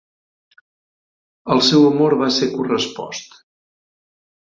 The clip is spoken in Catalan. El seu amor va ser correspost.